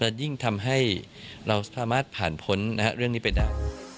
ยิ่งทำให้เราสามารถผ่านพ้นเรื่องนี้ไปได้